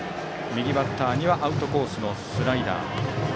右バッターにはアウトコースのスライダー。